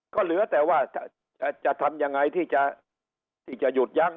ก็เหลือแต่ว่าจะทำยังไงที่จะหยุดยั้ง